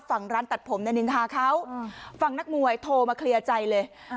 ฝั่งร้านตัดผมเนี่ยนินทาเขาฝั่งนักมวยโทรมาเคลียร์ใจเลย